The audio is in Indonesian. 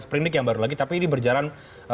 sprindik yang baru lagi tapi ini berjalan